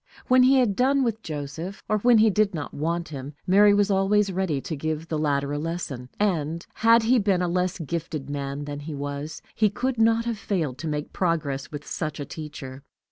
When he had done with Joseph, or when he did not want him, Mary was always ready to give the latter a lesson; and, had he been a less gifted man than he was, he could not have failed to make progress with such a teacher.